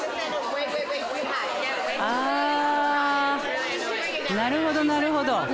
あなるほどなるほど。